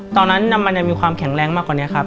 ตอนนั้นมันยังมีความแข็งแรงมากกว่านี้ครับ